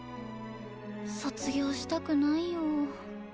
卒業したくないよ